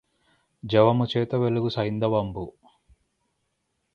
జవముచేత వెలుగు సైంధవంబు